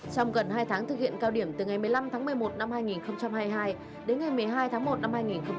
trong gần hai tháng thực hiện cao điểm từ ngày một mươi năm tháng một mươi một năm hai nghìn hai mươi hai đến ngày một mươi hai tháng một năm hai nghìn hai mươi bốn